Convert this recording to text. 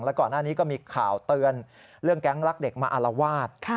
ก่อนหน้านี้ก็มีข่าวเตือนเรื่องแก๊งรักเด็กมาอารวาส